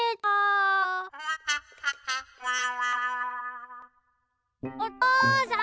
おとうさん！